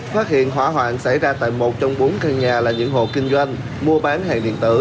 phát hiện hỏa hoạn xảy ra tại một trong bốn căn nhà là những hộ kinh doanh mua bán hàng điện tử